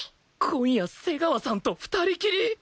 今夜瀬川さんと２人きり！？